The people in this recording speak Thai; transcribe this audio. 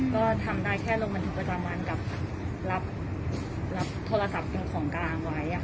ก็ทำได้แค่ลงบันทึกประจำวันกับรับโทรศัพท์เป็นของกลางไว้